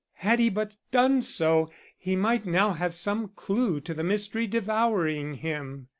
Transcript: Had he but done so, he might now have some clew to the mystery devouring him.